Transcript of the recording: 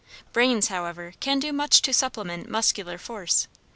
Brains, however, can do much to supplement muscular force.